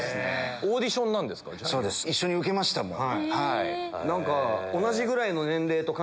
そうです一緒に受けましたもん。